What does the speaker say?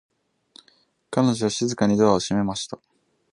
彼女は静かにドアを閉めました。